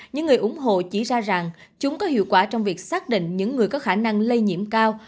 những người ủng hộ chỉ ra rằng chúng có hiệu quả trong việc xác định những người có khả năng lây nhiễm cao